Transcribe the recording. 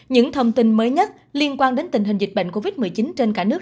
những thông tin mới nhất liên quan đến tình hình dịch bệnh covid một mươi chín trên cả nước